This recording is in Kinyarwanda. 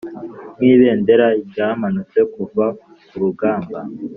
nkibendera ryamanutse kuva kurugamba